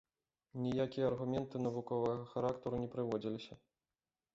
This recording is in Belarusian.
Ніякія аргументы навуковага характару не прыводзіліся.